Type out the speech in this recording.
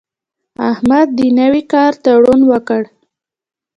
احمد د نوي کار تړون وکړ.